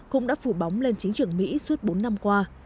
cũng đã phủ bóng lên chính trường mỹ suốt bốn năm qua